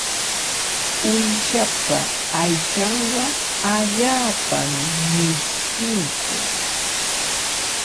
Uyshapa aychanqa allaapami mishkiykun.